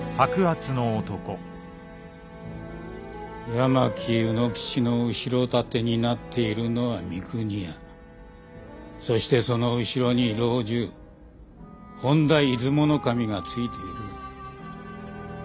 八巻卯之吉の後ろ盾になっているのは三国屋そしてその後ろに老中本多出雲守がついている。